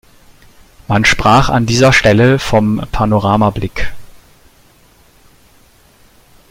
Man sprach an dieser Stelle vom Panoramablick.